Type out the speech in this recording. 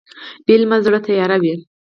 بې علمه زړه تیاره وي.